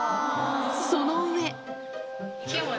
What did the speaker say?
その上。